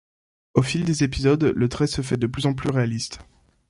Au fil des épisodes, le trait se fait de plus en plus réaliste.